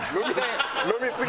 飲みすぎ。